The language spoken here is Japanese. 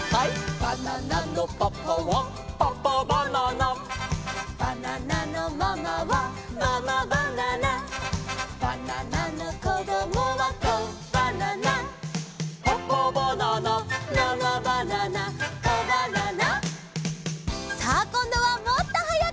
「バナナのパパはパパバナナ」「バナナのママはママバナナ」「バナナのこどもはコバナナ」「パパバナナママバナナコバナナ」